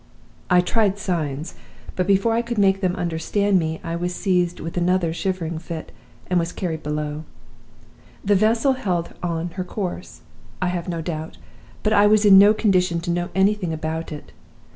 I tried signs, but before I could make them understand me I was seized with another shivering fit, and was carried below. The vessel held on her course, I have no doubt, but I was in no condition to know anything about it.